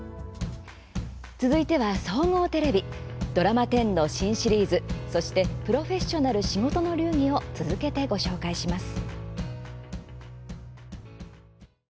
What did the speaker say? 続いては総合テレビドラマ１０の新シリーズ、そして「プロフェッショナル仕事の流儀」を続けてご紹介します。